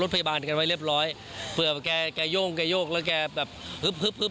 พยาบาลกันไว้เรียบร้อยเผื่อแกแกโย่งแกโย่งแล้วแกแบบฮึบฮึบฮึบ